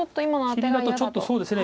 切りだとちょっとそうですね。